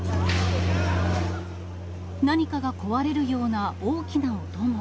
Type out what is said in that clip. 何かが壊れるような大きな音も。